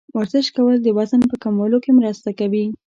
ورزش کول د وزن په کمولو کې مرسته کوي.